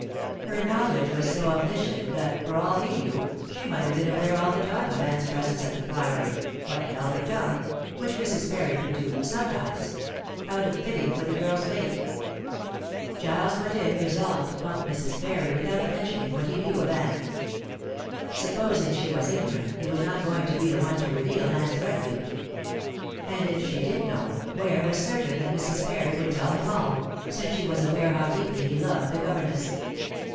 Her knowledge was so omniscient that, for all he knew, she might have been aware all the time of Anne's presence at the Priory, but held her tongue which Mrs. Parry could do sometimes out of pity for the girl's fate. Giles went in resolved to pump Mrs. Parry without mentioning what he knew of Anne. Supposing she was ignorant, he was not going to be the one to reveal Anne's refuge. And if she did know, Ware was certain that Mrs. Parry would tell him all, since she was aware how deeply he loved the governess.